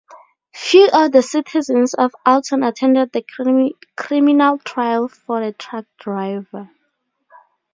Few of the citizens of Alton attended the criminal trial for the truck driver.